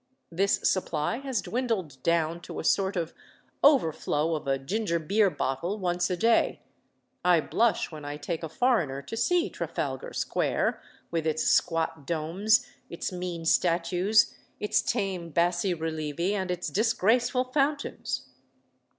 This supply has dwindled down to a sort of overflow of a ginger beer bottle once a day. I blush when I take a foreigner to see Trafalgar Square, with its squat domes, its mean statues, its tame bassi relievi, and its disgraceful fountains.